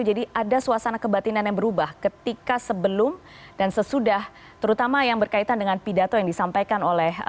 jadi ada suasana kebatinan yang berubah ketika sebelum dan sesudah terutama yang berkaitan dengan pidato yang disampaikan oleh